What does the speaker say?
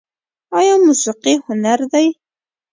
آیا موسیقي هنر دی؟